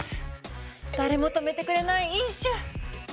誰も止めてくれない飲酒。